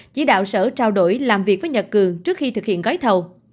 chỉ đạo sở trao đổi làm việc với nhật cường trước khi thực hiện gói thầu